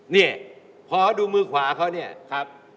นี่พอดูมือขวาเขาเนี่ยครับ